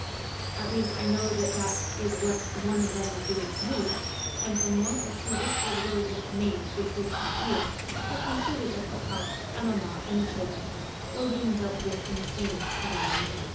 At least, I know that that is what one of them was doing to me, and from one or two whispered words of command which reached my ear I concluded that papa and maman and the children were being dealt with in the same summary way.